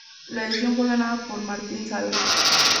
La edición fue ganada por Martín Sala.